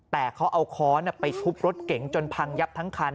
แต่เขาเอาค้อนไปทุบรถเก๋งจนพังยับทั้งคัน